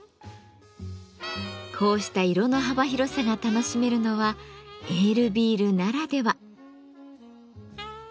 こうした色の幅広さが楽しめるのはエールビールならでは。